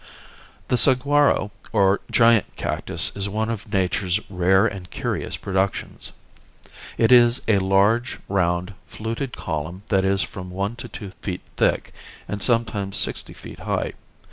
The saguaro, or giant cactus, is one of nature's rare and curious productions. It is a large, round, fluted column that is from one to two feet thick and sometimes sixty feet high.